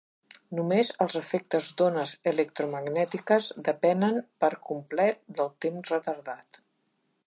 Només els efectes d'ones electromagnètiques depenen per complet del temps retardat.